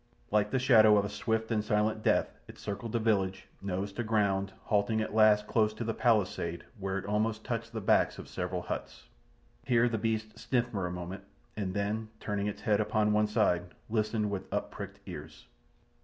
Like the shadow of a swift and silent death it circled the village, nose to ground, halting at last close to the palisade, where it almost touched the backs of several huts. Here the beast sniffed for a moment, and then, turning its head upon one side, listened with up pricked ears.